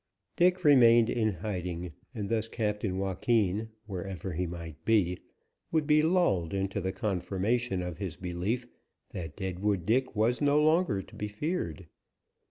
Dick remained in hiding, and thus Captain Joaquin, wherever he might be, would be lulled into the confirmation of his belief that Deadwood Dick was no longer to be feared.